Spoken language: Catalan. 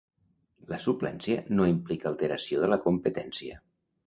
La suplència no implica alteració de la competència.